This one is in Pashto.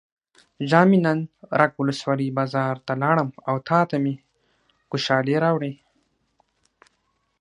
جان مې نن رګ ولسوالۍ بازار ته لاړم او تاته مې ګوښالي راوړې.